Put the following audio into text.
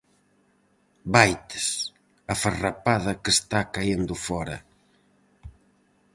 Vaites! a farrapada que está caendo fóra.